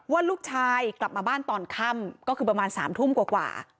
ว่าลูกชายกลับมาบ้านตอนค่ำก็คือประมาณ๓ทุ่มกว่า